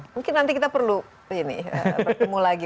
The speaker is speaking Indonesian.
mungkin nanti kita perlu bertemu lagi